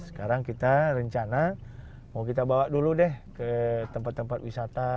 sekarang kita rencana mau kita bawa dulu deh ke tempat tempat wisata